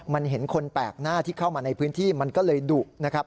มันเห็นคนแปลกหน้าที่เข้ามาในพื้นที่มันก็เลยดุนะครับ